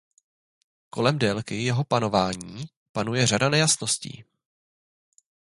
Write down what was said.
Kolem délky jeho panování panuje řada nejasností.